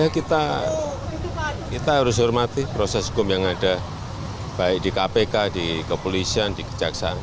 kita harus hormati proses hukum yang ada baik di kpk di kepolisian di kejaksaan